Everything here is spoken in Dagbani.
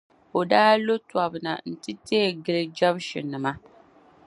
o daa ti lo tɔb’ na nti teei gili Jabɛshinima.